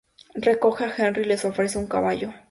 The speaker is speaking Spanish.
Recoge a Henry y les ofrecen un caballo.